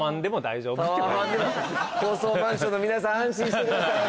高層マンションの皆さん安心してください。